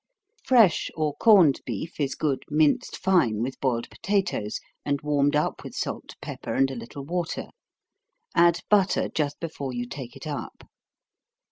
Fresh or corned beef is good minced fine, with boiled potatoes, and warmed up with salt, pepper, and a little water add butter, just before you take it up.